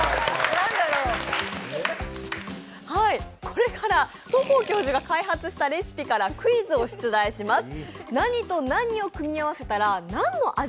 これから都甲教授が開発したレシピからクイズを出題します。